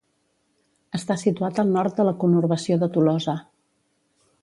Està situat al nord de la conurbació de Tolosa.